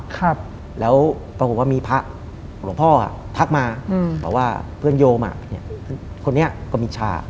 กลับมาว่าเพื่อนโยม